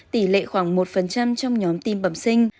tỷ lệ khoảng một trong nhóm tim bẩm sinh